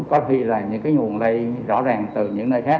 có khi là những cái nguồn lây rõ ràng từ những nơi khác